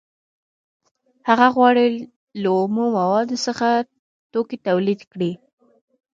هغه غواړي له اومو موادو څخه توکي تولید کړي